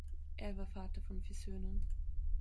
Er war Vater von vier Söhnen.